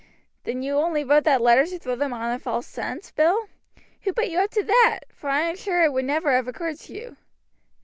"Then you only wrote that letter to throw them on to a false scent, Bill? Who put you up to that, for I am sure it would never have occurred to you?"